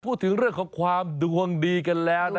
พูดถึงเรื่องของความดวงดีกันแล้วนะ